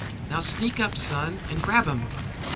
"Now, sneak up, son, an' grab 'im!"